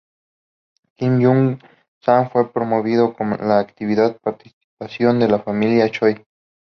Kim Yun Sang fue promovido con la activa participación de la familia de Choi.